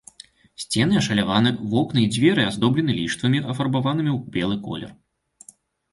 Сцены ашаляваны, вокны і дзверы аздоблены ліштвамі, афарбаванымі ў белы колер.